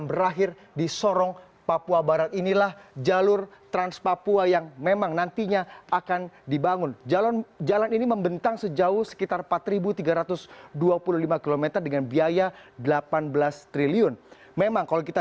berikut laporannya untuk anda